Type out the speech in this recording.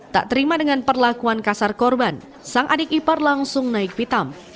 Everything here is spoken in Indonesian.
tak terima dengan perlakuan kasar korban sang adik ipar langsung naik pitam